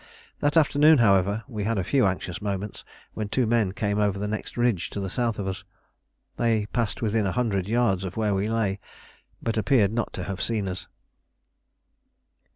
That afternoon, however, we had a few anxious moments, when two men came over the next ridge to the south of us: they passed within a hundred yards of where we lay, but appeared not to have seen us.